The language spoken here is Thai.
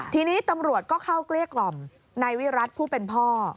ทีนี้ตำรวจก็เข้าเกลี้ยกล่อมนายวิรัติผู้เป็นพ่อ